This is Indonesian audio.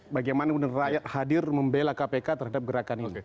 bagaimana kemudian rakyat hadir membela kpk terhadap gerakan ini